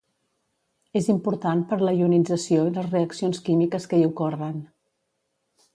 És important per la ionització i les reaccions químiques que hi ocorren.